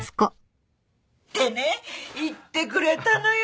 ってね言ってくれたのよ